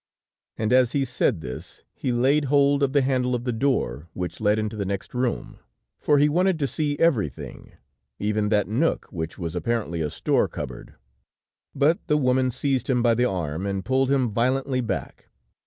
And as he said this, he laid hold of the handle of the door which led into the next room, for he wanted to see everything, even that nook, which was apparently a store cupboard, but the woman seized him by the arm, and pulled him violently back.